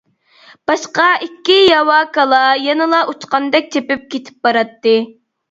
باشقا ئىككى ياۋا كالا يەنىلا ئۇچقاندەك چېپىپ كېتىپ باراتتى.